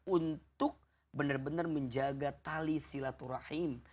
untuk benar benar menjaga tali silaturahim